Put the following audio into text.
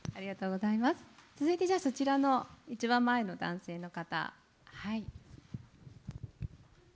続いて、そちらの一番前の男性の方。